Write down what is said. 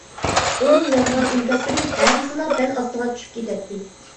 ئۇنىڭ يازغان ئىنكاسلىرى ھە دېسىلە بەل ئاستىغا چۈشۈپ كېتەتتى.